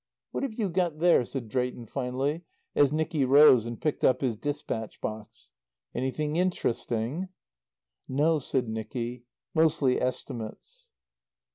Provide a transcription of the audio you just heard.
"What have you got there?" said Drayton finally as Nicky rose and picked up his dispatch box. "Anything interesting? "No," said Nicky. "Mostly estimates."